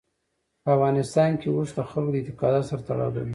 په افغانستان کې اوښ د خلکو د اعتقاداتو سره تړاو لري.